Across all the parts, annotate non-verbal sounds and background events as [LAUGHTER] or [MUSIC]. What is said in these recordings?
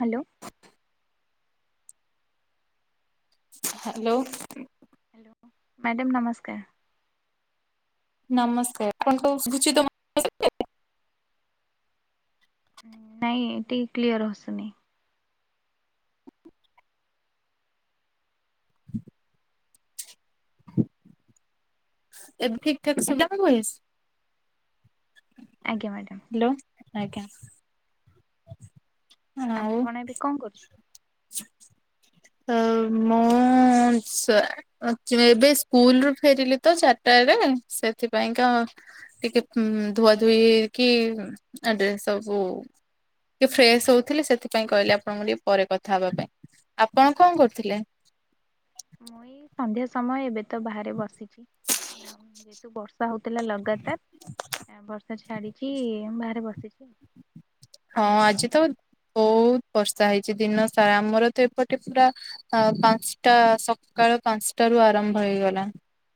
Hello. Hello. Madam ନମସ୍କାର। ନମସ୍କାର ଆପଣଙ୍କ [UNINTELLIGIBLE] ନାଇଁ ଟିକେ କ୍ଲିୟର ଆସୁନି। ଏବେ ଠିକ ଠାକ ସୁବିଧା ଭ ଏସ୍ [UNINTELLIGIBLE] ଆଜ୍ଞା୍ ମ୍ୟାଡମ୍। ହ୍ୟାଲୋ ଆଜ୍ଞା। ଆଉ ଆପଣ ଏବେ କଣ କରୁଛ ଅ ମୁଁ ସ୍ୱା ଚୁ ଏବେ ସ୍କୁଲ ରୁ ଫେରିଲି ତ ଚାରିଟାରେ ସେଥିପାଇଁ କା ଟିକେ ଧୁଆ ଧୋଇ କିି ଡେର୍ସ୍ ସବୁ ଟିକେ ଫ୍ରେସ ହଉଥିଲେ ସେଥିପାଇଁ କହିଲେ ଆପଣଙ୍କୁ ଟିକେ ପରେ କଥା ହବା ପାଇଁ। ଆପଣ କଣ କରୁଥିଲେ? ମୁଁ ଏଇ ସନ୍ଧ୍ୟା ସମୟ ଏବେ ତ ବାହାରେ ବସିଛି। ହଁ। [INAUDIBLE] ଯେହେତୁ ବର୍ଷା ହଉଥିଲା ଲଗାତାର ଆ ବର୍ଷା ଛାଡିଛି ବାହାରେ ବସିଛି। ହଁ ଆପଣ ଆଜି ତ ବହୁତ ବର୍ଷା ହେଇଛି ଦିନ ସାରା। ଆମର ତ ଏପଟେ ପୁରା ଆ ପାଞ୍ଚଟା ସକାଳ ପାଞ୍ଚଟାରୁୁ ଆରମ୍ଭ ହେଇଗଲା।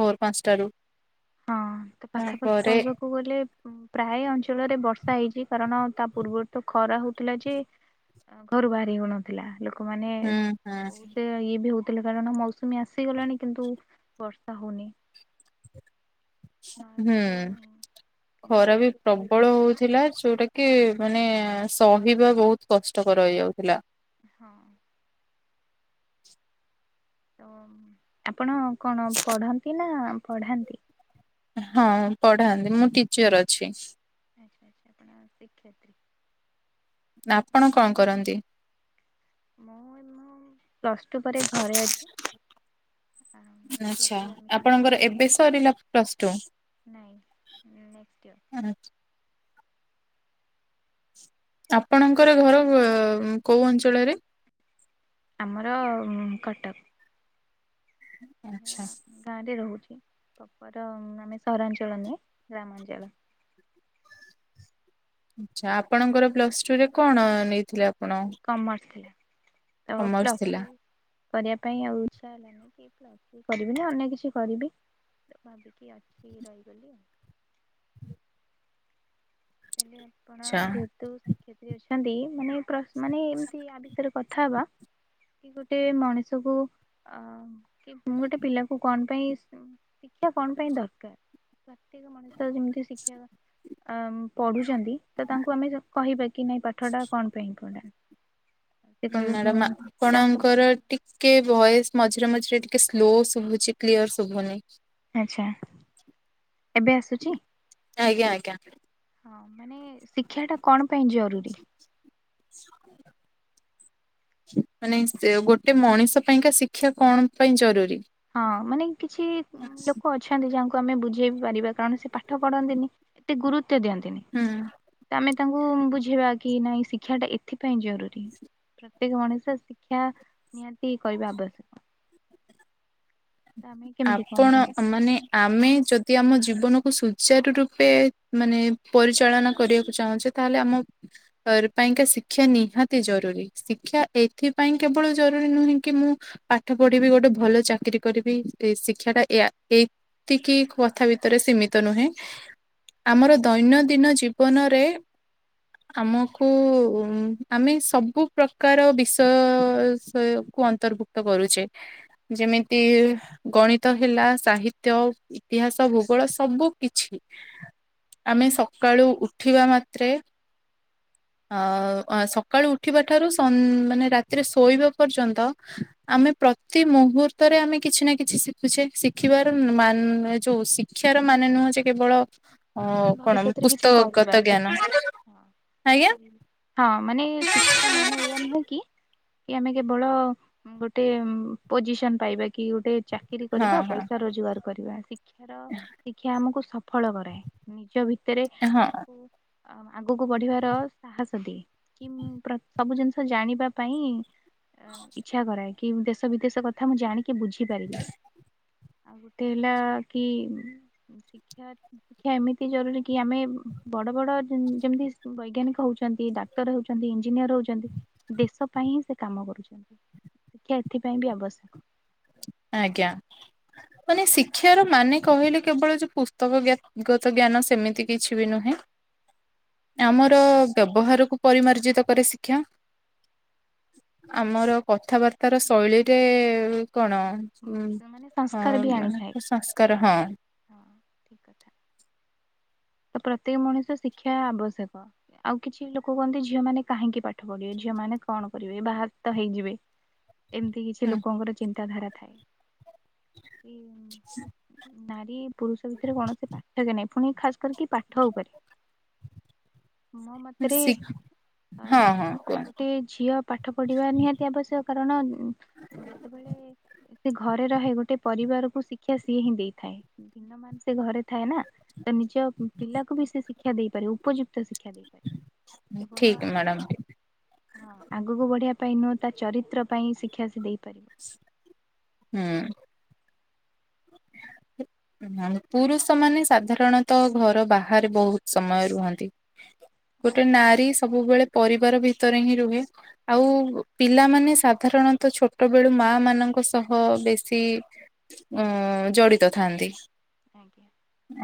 ଭୋର ପାଞ୍ଚଟାରୁ। ହଁ ତ ପାଖାପାଖି ତାପରେ କହିବାକୁ ଗଲେ ପ୍ରାୟ ଅଞ୍ଚଳରେ ବର୍ଷା ହେଇଛି କାରଣ ତା ପୂର୍ବରୁ ତ ଖରା ହଉଥିଲା ଯେ ଘରୁ ବାହାରି ହଉନଥିଲା ଲୋ ଲୋକମାନେ ହୁଁ ବହୁତ ଇଏ ବି ହଉ ଥିଲେ। କାରଣ ମୌସୁମୀ ଆସିଗଲାଣି କିନ୍ତୁ ବର୍ଷା ହଉନି। ହୁଁ। ନହେବାରୁ କିନ୍ତୁ ଖରା ବି ଖୁସି ଲାଗୁଛି ପ୍ରବଳ ହଉ ଥିଲା। ଯୋଉଟା କି ମାନେ ସହିବା ବହୁତ କଷ୍ଟକର ହେଇଯାଉଥିଲା। ହଁ। ତ ଆପଣ କଣ ପଢ଼ନ୍ତି ନା ପଢ଼ାନ୍ତି? ହଁ ପଢ଼ାନ୍ତି, ମୁଁ ଟିଚର ଅଛି। ଆଚ୍ଛା ଆଚ୍ଛା ଆପଣ ଶିକ୍ଷୟେତ୍ରୀ। ଆପଣ କଣ କରନ୍ତି? ମୁଁ ପ୍ଲସ୍ ଟୁ ପରେ ଘରେ ଅଛି। ପ୍ଲସ୍ ଆଚ୍ଛା ଥ୍ରୀ ଆଡ଼ମିସନ୍ କରି ଆପଣଙ୍କର ଏବେ ସରିଲା ପ୍ଲସ ଟୁ? ନାଇଁ ନେଷ୍ଟେ ଇୟର। ଆପଣଙ୍କର ଘର କ କୋଉ ଅଞ୍ଚଳରେ? ଆମର ଉଁ କଟକ। ଆଚ୍ଛା ଏନା ଗାଁରେ ରହୁଛି ପ୍ରପର ମାନେ ସହରାଞ୍ଚଳ ନୁହେଁ ଗ୍ରାମାଞ୍ଚଳ। ଆଚ୍ଛା ଆପଣଙ୍କର ପ୍ଲସ୍ ଟୁ ରେ କଣ ନେଇଥିଲେ ଆପଣ? କମର୍ସ ଥିଲା। ଆ କମର୍ସ ପ୍ଲସ୍ ଥିଲା ଥ୍ରୀ କରିବା ପାଇଁ ଆଉ ଇଚ୍ଛା ହେଲାନି କି ପ୍ଲସ ଟୁ କରିବି ନା ଅନ୍ୟ କିଛି କରିବି [UNINTELLIGIBLE] ଟିକେ ଅଟକି କି ରହିଗଲି ଆଉ। ହେଲେ ଆପଣ ଆଚ୍ଛା। ଯେହେତୁ ଶିକ୍ଷୟତ୍ରୀ ଅଛନ୍ତି ମାନେ ପ୍ରସ ମାନେ ଏମିତି ୟା ବିଷୟରେ କଥା ହେବା କି ଗୋଟେ ମଣିଷକୁ ଅ ଆଁ କି ଗୋଟେ ପିଲା କ କଣ ଉ ପାଇଁ ଶିକ୍ଷା କଣ ପାଇଁ ଦରକାର? ପ୍ରତେକ ମଣିଷ ଯେମିତି ଶିଖିବା ଆ ପଢ଼ୁଛନ୍ତି ତ ତାଙ୍କୁ ଆମେ କହିବା କି ନାଇଁ ପାଠଟା କଣ ପାଇଁ ଇମ୍ପୋର୍ଟାଣ୍ଟ। ସେ ହଁ କହିବେ ମୁଁ ମାଡାମ୍ ଚାଷ ଆପଣଙ୍କର କରିବି ଟିକ କେ ଭଏସ୍ ମଝିରେ ମଝିରେ ଟିକେ ସ୍ଲୋ ଶୁଭୁଛି କ୍ଲିୟର ଶୁଭୁନି। ଆଚ୍ଛା ଏବେ ଆସୁଛି? ଆଜ୍ଞା ଆଜ୍ଞା। ହଁ ମାନେ ଶିକ୍ଷା ଟା କଣ ପାଇଁ ଜରୁରୀ? [INAUDIBLE] ମାନେ ସେ ଗୋଟେ ମଣିଷ ପାଇଁକା ଶିକ୍ଷା କଣ ପାଇଁ ଜରୁରୀ? ହଁ ମାନେ କିଛି ଉଁ ଲୋକ ଅଛନ୍ତି ଯାହାଙ୍କୁ ଆମେ ବୁଝେଇ ପାରିବା କାରଣ ସେ ପାଠ ପଢନ୍ତିନି, ଏତେ ଗୁରୁତ୍ୱ ଦିଅନ୍ତିନି। ହୁଁ ତ ଆମେ ତାଙ୍କୁ ବୁଝେଇବା କି ନାଇଁ ଶିକ୍ଷା ଟା ଏଥିପାଇଁ ଜରୁରୀ। ପ୍ର ତ୍ୟେକ ମଣିଷ ଶିକ୍ଷା ନିହାତି କରିବା ଆବଶ୍ୟକ। ତ ଆମେ କେମିତି କଣ ଆପଣ ତାଙ୍କୁ କହିବା। ମାନେ ଆମେ ଯଦି ଆମ ଜୀବନକୁ ସୁଚାରୁ ରୂପେ ମାନେ ପରିଚାଳନା କରିବାକୁ ଚାହୁଁଛେ ତାହେଲେ ଆମ ପାଇଁକା ଶିକ୍ଷା ନିହାତି ଜରୁରୀ। ଶିକ୍ଷା ଏଥିପାଇଁ କେବଳ ଜରୁରୀ ନୁହେଁ କି ମୁଁ ପାଠ ପଢିବି, ଗୋଟେ ଭଲ ଚାକିରୀ କରିବି। ଇ ଶିକ୍ଷା ଟା ଏୟା ଏଇତିକି କଥା ଭିତରେ ସୀମିତ ନୁହେଁ। ଆମର ଦୈନଦିନ ଜୀବନରେ [INAUDIBLE] ଆମକୁ ଉଁ ଆମେ ସବୁ ପ୍ରକାର ବିଷୟ ସେ କୁ ଅନ୍ତର୍ଭୁକ ତ କରୁଛେ ଯେମିତି ଗଣିତ ହେଲା ସାହିତ୍ୟ ଇତିହାସ ଭୂଗୋଳ ସବୁ କିଛି। ଆମେ ସକାଳୁ ଉଠିବା ମାତ୍ରେ ଅ ସକାଳୁ ଉଠିବା ଠାରୁ ସ ମାନେ ରାତିରେ ଶୋଇବା ପର୍ଯ୍ୟନ୍ତ। ଆମେ ପ୍ରତି ମୁହୂର୍ତ୍ତରେ ଆମେ କିଛି ନା କିଛି ଶିଖୁଛେ, ଶିଖିବାର ଉଁ, ମାନ ଏ ଯୋଉ ଶିକ୍ଷାର ମାନେ ନୁହେଁ ଯେ କେବଳ ଅ, କଣ ଉଁ, ଭବିଷ୍ୟତରେ କିଛି ପୁସ୍ତକଗତ କରିବା କି ଜ୍ଞାନ ହଁ। ଆଜ୍ଞା। ହଁ ମାନେ ଶିକ୍ଷାର ମାନେ ଏଇଆ ନୁହଁ କି? କି ଆମେ କେବଳ ଉଁ, ଗୋଟେ ପୋଜିସନ୍ ପାଇବା କି ଗୋଟେ ଚାକିରି ହଁ କରିବା ହଁ ପଇସା ରୋଜଗାର କରିବା, ଶିକ୍ଷାର ଶିକ୍ଷା ଆମକୁ ସଫଳ କରାଏ। ନିଜ ଭିତରେ ହଁ ଆମକୁ ଅ, ଆଗକୁ ବଢିବାର ସାହସ ଦିଏ। କି ମୁଁ ପ୍ର- ସବୁ ଜିନିଷ ଜାଣିବା ପାଇଁ ଆ, ଇଚ୍ଛା କରାଏ। କି ଦେଶ ବିଦେଶ କଥା ମୁଁ ଜାଣିକି ବୁଝିପାରିବି। ଆଉ ଗୋଟେ ହେଲା କି ଉଁ, ଶିକ୍ଷା [INAUDIBLE] କ୍ଷା ଏମିତି ଜରୁରୀ କି ଆମେ ଏ ବଡ ବଡ ଯେ ଯେମିତି ବୈଜ୍ଞାନିକ ହଉଛନ୍ତି, ଡା କ୍ତର ହଉଛନ୍ତି, ଇଞ୍ଜିନିୟର୍ ହଉଛନ୍ତି ଦେଶ ପାଇଁ ହିଁ ସେ କାମ କରୁଛନ୍ତି। ଶିକ୍ଷା ଏଥିପାଇଁ ବି ଆବଶ୍ୟକ। ଆଜ୍ଞା। ମାନେ ଶିକ୍ଷାର ମାନେ କହିଲେ କେବଳ ଯେ ପୁସ୍ତକଗେ ଗତ ଜ୍ଞାନ ସେମିତି କିଛି ବି ନୁହେଁ, ଆମର ବ୍ୟବହାରକୁ ପରିମାର୍ଜିତ କରେ ଶିକ୍ଷା। ଆମର କଥାବାର୍ତ୍ତ ର ଶୈଳୀରେ ହଁ କଣ ହଁ ଉଁ, ହଁ ମାନେ ସଂସ୍କାର ଆଉ ବି ଆଣିଥାଏ। ମାନେ ସଂସ୍କାର ହଁ, ହଁ ଠିକ କଥା। ତ ପ୍ରତ୍ୟେକ ମଣିଷ ଶିକ୍ଷା ଆବଶ୍ୟକ। ଆଉ କିଛି ଲୋକ କୁହନ୍ତି, ଝିଅମାନେ କାହିଁକି ପାଠ ପଢ଼ିବେ? ଝିଅମାନେ କଣ କରିବେ? ବାହା ତ ହେଇଯିବେ। ଏମିତି କିଛି ହୁଁ ଲୋକଙ୍କର ଚିନ୍ତାଧାରା ଥାଏ। କି ନାରୀ ପୁରୁଷ ଭିତରେ କୌଣସି ପ୍ରାର୍ଥକ୍ୟ ନାଇ। ଫୁଣି ଖାସ୍ କରିକି ପାଠ ଉପରେ ମୋ ମତରେ ଶି ଆ ତ ହଁ ହଁ କୁହନ୍ତୁ ଗୋଟେ ଝିଅ ପାଠ ପଢିବା ନିହାତି ଆବଶ୍ୟକ କାରଣ ଉଁ, ଯେତେ ବେଳେ ଏ ସେ ଘରେ ରହେ ଗୋଟେ ପରିବାରକୁ ଶିକ୍ଷା ସିଏ ହିଁ ଦେଇଥାଏ। [INAUDIBLE] ଦିନ ମାନ ସେ ଘରେ ଥାଏ ନା, ତ ନିଜ ପିଲାକୁ ବି ସେ ଶିକ୍ଷା ଦେଇପାରିବ ଉପଯୁକ୍ତ ଶିକ୍ଷା ଦେଇପାରିବ। କେବଳ ଠିକ୍ ଆ ମ୍ୟାଡାମ ହୁଁ। ହଁ ଆଗକୁ ବଢିବା ପାଇଁ ନୁହଁ, ତା ଚରିତ୍ର ପାଇଁ ଏଇ ଶିକ୍ଷା ସେ ଦେଇପାରିବ। ହୁଁ। ଉଁ ହଁ ପୁରୁଷ ମାନେ ସାଧାରଣତ ଘର ବାହାରେ ବହୁତ ସମୟ ରୁହନ୍ତି। ଗୋଟେ ନାରୀ ସବୁବେଳେ ପରିବାର ଭିତରେ ହିଁ ରୁହେ। ଆଉ ଉ, ପିଲାମାନେ ସାଧାରଣତ ଛୋଟ ବେଳୁ ମା ମାନଙ୍କ ସହ ବେଶୀ ଅଁ, ଜଡିତ ଥାଆନ୍ତି। ଆଜ୍ଞା।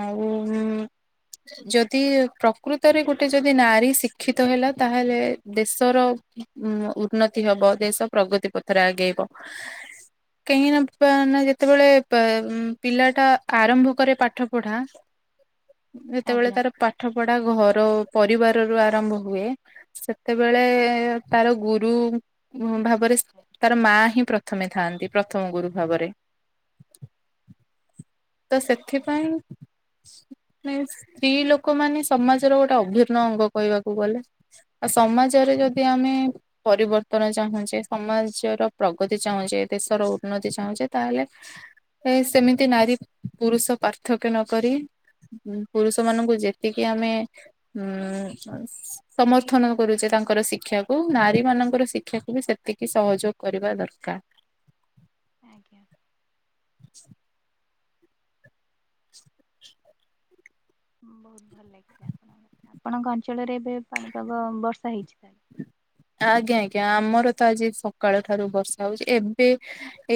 ଆଉ ଉଁ, ଯଦି ପ୍ରକୃତରେ ଗୋଟେ ଯଦି ନାରୀ ଶିକ୍ଷିତ ହେଲା ତାହେଲେ ଦେଶର ଉଁ, ଉନ ଉର୍ନତି ହେବ ଦେଶ ପ୍ରଗତି ପଥରେ ଆଗେଇବ। ହଁ [INAUDIBLE] କାହିଁ ନା ପା- ନା ଯେତେବେଳେ ପେ- ଉଁ, ପିଲା ଟା ଆରମ୍ଭ କରେ ପାଠ ପଢା ଯେତେବେଳେ ଆଜ୍ଞା ତାର ପା ଠ ପଢା ଘର ପରିବାର ରୁ ଆରମ୍ଭ ହୁଏ। ସେତେବେଳେ ତାର ଗୁରୁ ଅଁ, ଭାବରେ ତାର ମା ଆଜ୍ଞା ହିଁ ପ୍ରଥମେ ଥାଆନ୍ତି ପ୍ରଥମ ଗୁରୁ ଭାବରେ। ତ ସେଥିପାଇଁ ନାଇଁ ଏ ସ୍ତ୍ରୀ ଲୋକମାନେ ସମାଜର ଗୋଟେ ଅଭିନ୍ନ ଅଙ୍ଗ କହିବାକୁ ଗଲେ। ଆ, ସମାଜରେ ଯଦି ଆମେ ପରିବର୍ତ୍ତନ ଚାହୁଁଚେ, ସମାଜର ପ୍ରଗତି ଚାହୁଁଚେ, ଦେଶର ଉନ୍ନତି ଚାହୁଁଚେ, ତାହେଲେ ଏ ସେମିତି ନାରୀ ପୁରୁଷ ପାର୍ଥକ୍ୟ ନ କରି ଉଁ, ପୁରୁଷମାନଙ୍କୁ ଯେତିକି ଆମେ ଉଁ, [INAUDIBLE] ସମର୍ଥନ କରୁଚେ ତାଙ୍କର ଶିକ୍ଷାକୁ ନାରୀମାନଙ୍କର ଶିକ୍ଷାକୁ ବି ସେତିକି ସହଯୋଗ କରିବା ଦରକାର। ଆଜ୍ଞା। ବହୁତ ଭଲ ଲାଗିଲା। ଆପଣଙ୍କ ଆପଣଙ୍କ ଅଞ୍ଚଳରେ ଏବେ ପାଣିପାଗ ବର୍ଷା ହେଇଛି ତାହେଲେ। ଆଜ୍ଞା ଆଜ୍ଞା ଆମର ତ ଆଜି ସକାଳଠାରୁ ବର୍ଷା ହଉଚି ଏବେ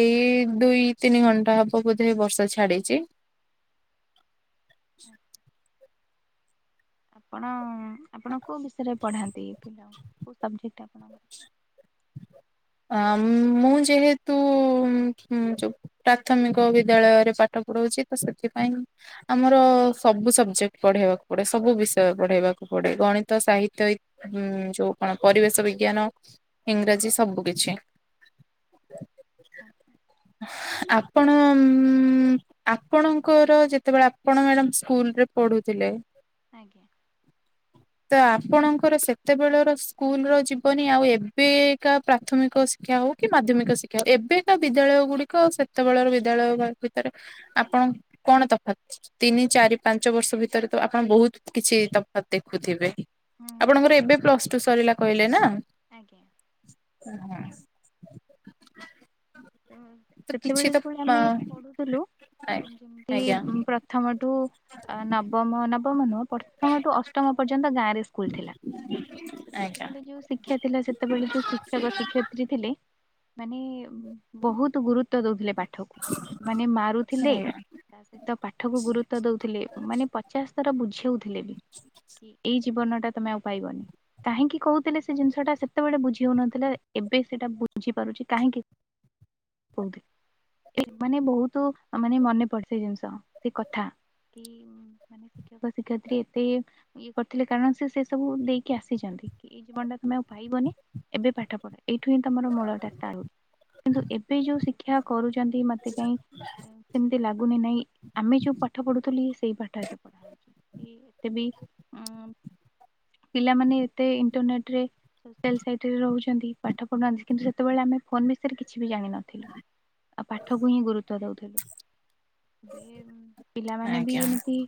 ଏଇ ଦୁଇ ତିନି ଘଣ୍ଟା ହବ ବୋଧେ ବର୍ଷା ଛାଡିଚି। [INAUDIBLE] ଆପଣ ଆପଣ କୋଉ ବିଷୟରେ ପଢାନ୍ତି ପିଲାଙ୍କୁ କୋଉ ସବଜେକ୍ଟ ଆପଣଙ୍କର? ଅ ମୁଁ ଯେହେତୁ ଉଁ ଯ ପ୍ରାଥମିକ ବିଦ୍ୟାଳୟରେ ପାଠ ପଢଉଚି ତ ସେଥିପାଇଁ ଆମର ସବୁ ସବଜେକ୍ଟ ପଢେଇବାକୁ ପଡେ ସବୁ ବିଷୟ ପଢେଇବାକୁ ପଡେ ଗଣିତ ସାହିତ୍ୟ ଇ ହୁଁ ଯୋଉ କଣ ପରିବେଶ ବିଜ୍ଞାନ ଇଂରାଜୀ ସବୁ କି ଛି ଆଜ୍ଞା। ଆପଣ ଉଁ ଆପଣଙ୍କର ଯେତେବେଳେ ଆପଣ ମ୍ୟାଡାମ ସ୍କୁଲରେ ପଢୁଥିଲେ ଆଜ୍ଞା। ତ ଆପଣଙ୍କର ସେତେବେଳର ସ୍କୁଲ ର ଯିବନି ଆଉ ଏବେ ଏକା ପ୍ରାଥମିକ ଶିକ୍ଷା ହଉ କି ମାଧ୍ୟମିକ ଶିକ୍ଷା ଏବେତ ବିଦ୍ୟାଳୟ ଗୁଡିକ ସେତେବେଳର ବିଦ୍ୟାଳୟ ଭିତରେ ଆପଣ କଣ ତଫାତ୍? ତିନି ଚାରି ପାଞ୍ଚବର୍ଷ ଭିତରେ ତ ଆପଣ ବହୁତ କିଛି ତଫାତ୍ ଦେ ଖୁ ଥିବେ ହୁଁ ଆପଣଙ୍କର ଏବେ ନିଶ୍ଚୟ ପ୍ଲସଟୁ ସରିଲା କହିଲେ ନା ଆଜ୍ଞା। ଉହୁଁ। ତ ସେତେବେଳେ ଯେତେବେଳେ ଆମେ ପଢୁଥିଲୁ ଯେମତି ଆଜ୍ଞା ଆଜ୍ଞା ପ୍ରଥମ ଠୁ ଅ ନବମ ନବମ ନୁହଁ ପ୍ରଥମଠୁ ଅଷ୍ଟମ ପର୍ଯ୍ୟନ୍ତ ଗାଁରେ ସ୍କୁଲ ଥିଲା ଆଜ୍ଞା ସେତେବେଳେ ଯୋଉ ଶିି ଶିକ୍ଷା ଥିଲା ସେତେବେଳେ ଯୋଉ ଶିକ୍ଷକ ଶିକ୍ଷୟିତ୍ରୀ ଥିଲେ ମାନେ ବହୁତ ଗୁରୁତ୍ୱ ଦଉଥିଲେ ପାଠକୁ ମାନେ ମାରୁଥିଲେ ଆଜ୍ଞା ତା ସହିତ ପାଠକୁ ଗୁରୁତ୍ୱ ଦଉଥିଲେ ମାନେ ପଚାଶ ଥର ବୁଝଉଥିଲେ ବି। କି ଏଇ ଜୀବନଟା ତମେ ଆଉ ପାଇବନି। କାହିଁକି କହୁଥିଲେ ସେ ଜିନିଷଟା ସେତେବେଳେ ବୁଝିହଉନଥିଲା ଏବେ ସେଇଟା ବୁଝିପାରୁଛି କାହିଁକି କହୁଥି ଏ ମାନେ ବହୁତ ମାନେ ମନେପଡେ ସେ ଜିନିଷ ସେ କଥା କି ମାନେ ଶିକ୍ଷକ ଶିକ୍ଷୟିତ୍ରୀ ଏତେ ଇଏ ଇଏ କରିଥିଲେ କାରଣ ସେ ସେସବୁ ଦେଇକି ଆସିଚନ୍ତି କି ଏଇ ଜୀବନଟା ତମେ ଆଉ ପାଇବନି ଏବେ ପାଠପଢ ଏଇଠୁ ହିଁ ତମର ମୂଳଟା ଷ୍ଟାର୍ଟ ଉଁ କିନ୍ତୁ ଏବେ ଯୋଉ ଶିକ୍ଷା କରୁଚନ୍ତି ମତେ କାଇଁ ସେମତି ଲାଗୁନି ନାଇଁ ଆମେ ଯୋଉ ପାଠ ପଢୁଥିଲୁ ଇଏ ସେଇ ପାଠ ଏବେ ପଢା ହଉଚି କି ଏତେ ବି ଉଁ ପିଲାମାନେ ଏତେ ଇଣ୍ଟରନେଟରେ ସୋସିଆଲ ସାଇଟରେ ରହୁଛନ୍ତି ପାଠ ପଢୁନାହାଁନ୍ତି କିନ୍ତୁ ସେତେବେଳେ ଆମେ ଫୋନ ବି ସେରେ କିଛି ବି ଜାଣିନଥିଲୁ ଆଉ ପାଠକୁ ହିଁ ଗୁରୁତ୍ୱ ଦଉଥିଲୁ। ବେ ପିଲାମାନେ ବି ଆଜ୍ଞା ଏମିତି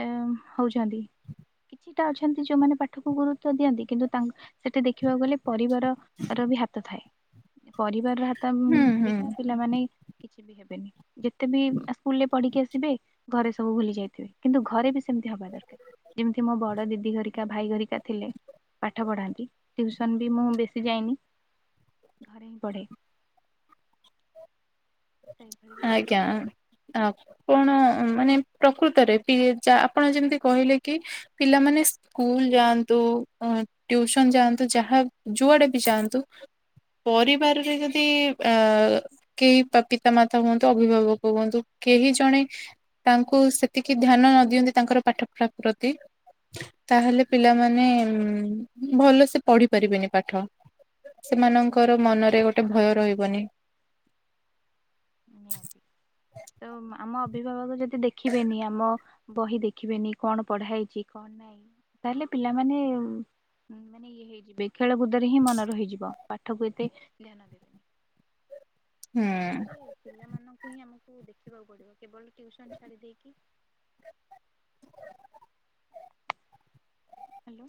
ଏ ହଉଛନ୍ତି କିଛିଟା ଅଛନ୍ତି ଯୋଉମାନେ ପାଠକୁ ଗୁରୁତ୍ଵ ଦିଅନ୍ତି କିନ୍ତୁ ତା ସେଠି ଦେଖିବାକୁ ଗଲେ ପରିବାର ରବି ହାତ ଥାଏ। ପରିବାରର ହାତ ହୁଁ ହୁଁ ବିନା ପିଲାମାନେ କିଛି ବି ହେବେନି। ଯେତେ ବି ସ୍କୁଲ ରେ ପଢିକି ଆସିବେ ଘରେ ସବୁ ଭୁଲି ଯାଇଥିବେ କିନ୍ତୁ ଘରେ ବି ସେମତି ହବା ଦରକାର। ଯେମିତି ମୋ ବଡ ଦିଦି ଘରିକା ଭାଇ ଘରିକା ଥିଲେ। ପାଠ ପଢ଼ାନ୍ତି ଟ୍ୟୁସନ୍ ବି ମୁଁ ବେଶୀ ଯାଇନି ଘରେ ହିଁ ପଢ଼େ। ସେଇଭଳି କିଛି ଆଜ୍ଞା। ହଁ ଆ କଣ ମାନେ ପ୍ରକୃତରେ ଆପଣ ଯେମିତି କହିଲେ କି ପିଲାମାନେ ସ୍ ସ୍କୁଲ ଯାଆନ୍ତୁ ଅ ଟ୍ୟୁସନ ଯାଆନ୍ତୁ ଯାହା ଯୁଆଡେ ବି ଯାଆନ୍ତୁ ପରିବାରରେ ଯଦି ଆ କେହି ପତି ତ ମା ହୁଅନ୍ତୁ ଅଭିଭାବକ ହୁଅନ୍ତୁ କେହି ଜଣେ ତାଙ୍କୁ ସେତିକି ଧ୍ୟାନ ନ ଦିଅନ୍ତି ତାଙ୍କର ପାଠପଢ଼ା ପ୍ରତି। ତାହେଲେ ପିଲାମାନେ ଉଁ ଭଲସେ ପଢି ପାରିବେନି ପାଠ। ସେମାନଙ୍କର ମନରେ ଗୋଟେ ଭୟ ରହିବନି। ନିହାତି ତ ଆମ ଅଭିଭାବକ ଯଦି ଦେ ଖିବେନି ଆମ ବହି ଦେଖିବେନି କଣ ପଢା ହେଇଚି କଣ ନାଇ ତାହେଲେ ପିଲାମାନେ ଉଁ ମାନେ ଇଏ ହେଇଯିବେ ଖେଳକୁୁଦରେ ହିଁ ମନ ରହିଯିବ ପାଠକୁ ଏତେ ଧ୍ୟାନ ଦେ ହୁଁ। ପିଲାମାନଙ୍କୁ ହିଁ ଆମକୁ ଦେଖିବାକୁ ପଡିବ କେବଳ ଟ୍ୟୁସନ ଛାଡି ଦେଇକି ହାଲୋ।